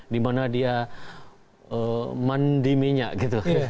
di mana dia mandi minyak